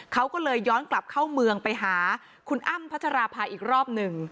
เขาก็เลยย้อนกลับเข้าเมืองไปหาคุณอ้ำพัชราภาอีกรอบหนึ่ง